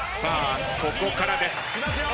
ここからです。